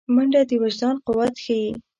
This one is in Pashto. منډه د وجدان قوت ښيي